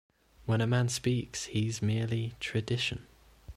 When a man speaks he's merely tradition.